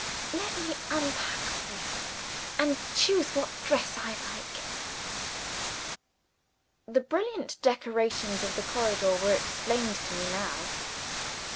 "Let me unpack for you, and choose which dress I like." The brilliant decorations of the corridor were explained to me now!